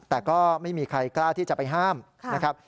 แต่ก็ไม่มีใครกล้าที่จะไปห้ามนะครับ